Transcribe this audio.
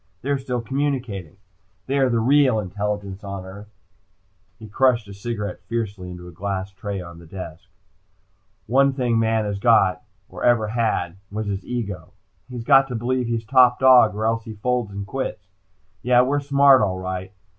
They're still communicating. They are the real intelligence on the earth!" He crushed a cigarette fiercely into a glass ash tray on the desk. "Only thing man has got, or ever had, was his ego. He's got to believe he's top dog, or else he folds and quits. Yeah, we're smart all right.